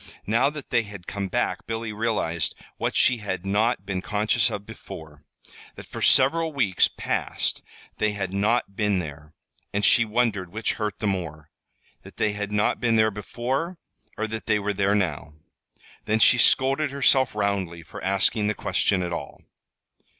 Now that they had come back Billy realized what she had not been conscious of before: that for several weeks past they had not been there; and she wondered which hurt the more that they had not been there before, or that they were there now. Then she scolded herself roundly for asking the question at all.